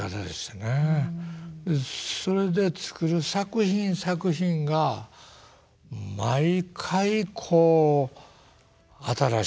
それで作る作品作品が毎回こう新しいというか。